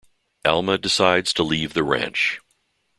Alma decides to leave the ranch.